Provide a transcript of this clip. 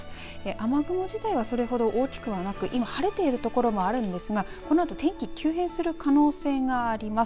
雨雲自体はそれほど大きくなく今、晴れているところもあるんですがこのあと天気急変する可能性があります。